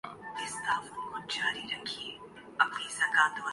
وہ تمام جنہوں نے لکھا تبدیلیوں کے مخالف نہیں ہیں